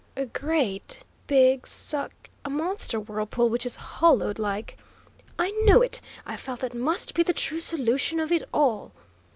"A great big suck, a monster whirlpool which is hollowed like " "I knew it! I felt that must be the true solution of it all!"